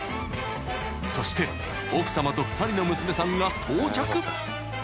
［そして奥さまと２人の娘さんが到着］